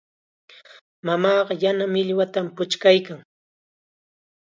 Mamaaqa yana millwatam puchkaykan.